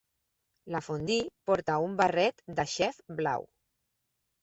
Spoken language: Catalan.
La fondue porta un barret de xef blau.